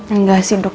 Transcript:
enggak sih dok